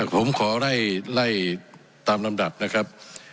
ผมขอไล่ตามลำดับนะครับ